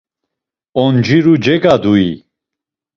Onciru cegadui?